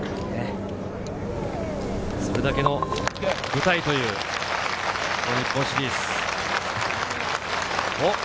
それだけの舞台という、この日本シリーズ。